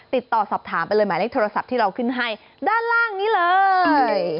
ติดต่อสอบถามไปเลยหมายเลขโทรศัพท์ที่เราขึ้นให้ด้านล่างนี้เลย